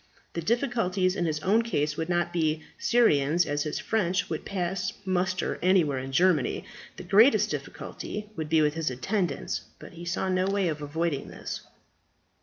The difficulties in his own case would not be serious, as his French would pass muster anywhere in Germany. The greatest difficulty would be with his attendants; but he saw no way of avoiding this.